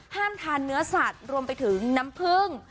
ห้ามทานเนื้อสัตว์รวมไปถึงน้ำพลึง